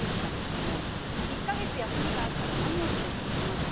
１か月休みがあったら何をして過ごしますか？